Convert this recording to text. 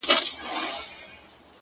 د نازولي یار په یاد کي اوښکي غم نه دی